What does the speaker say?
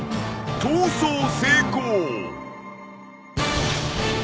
［逃走成功！］